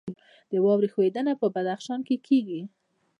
د واورې ښویدنه په بدخشان کې کیږي